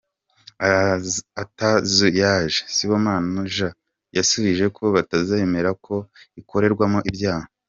Atazuyaje, Sibomana Jean yasubujije ko batazemera ko ikorerwamo ibyaha.